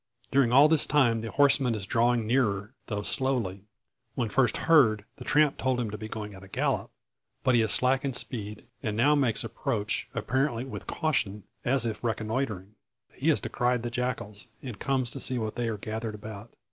During all this time the horseman is drawing nearer, though slowly. When first heard, the tramp told him to be going at a gallop; but he has slackened speed, and now makes approach, apparently with caution, as if reconnoitring. He has descried the jackals, and comes to see what they are gathered about.